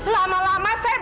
lama lama saya benar benar